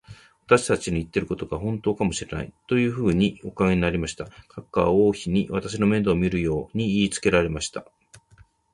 私たちの言ってることが、ほんとかもしれない、というふうにお考えになりました。陛下は王妃に、私の面倒をよくみるように言いつけられました。